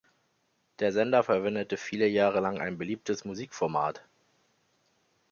Der Sender verwendete viele Jahre lang ein beliebtes Musikformat.